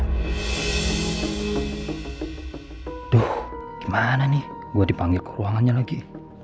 aduh gimana nih gue dipanggil ke ruangannya lagi